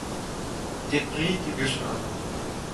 Debre-Division an.